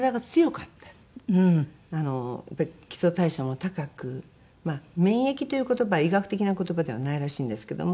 やっぱり基礎代謝も高くまあ「免疫」という言葉は医学的な言葉ではないらしいんですけども。